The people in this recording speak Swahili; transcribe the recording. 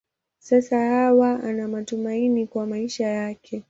Sasa Hawa ana matumaini kwa maisha yake.